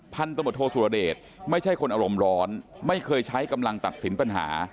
พันธบทโทสุรเดชไม่ใช่คนอารมณ์ร้อนไม่เคยใช้กำลังตัดสินปัญหา